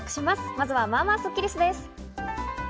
まずは、まあまあスッキりすです。